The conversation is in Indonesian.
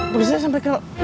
begitunya sampe ke